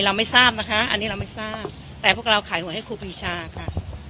เราไม่ทราบนะคะอันนี้เราไม่ทราบแต่พวกเราขายหวยให้ครูปีชาค่ะ